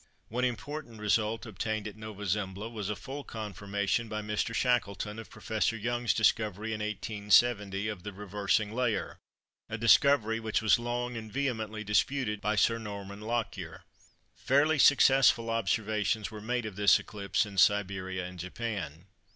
One important result obtained at Nova Zembla was a full confirmation by Mr. Shackleton of Prof. Young's discovery in 1870 of the "Reversing Layer," a discovery which was long and vehemently disputed by Sir Norman Lockyer. Fairly successful observations were made of this eclipse in Siberia and Japan.